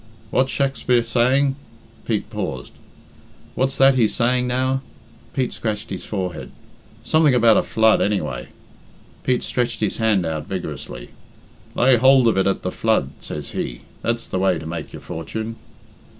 What's Shake spar saying?" Pete paused. "What's that he's saying, now?" Pete scratched his forehead. "Something about a flood, anyway." Pete stretched his hand out vigorously. "'Lay hould of it at the flood,' says he, 'that's the way to make your fortune.'"